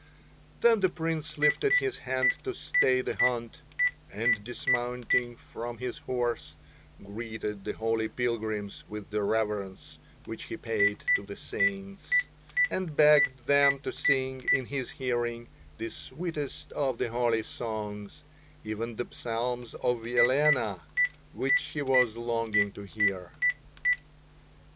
Then the Prince lifted his hand to stay the hunt, and dismounting from his horse, greeted the holy pilgrims with the reverence which he paid to the Saints, and begged them to sing in his hearing the sweetest of the holy songs, even the psalm of Elena, which he was longing to hear.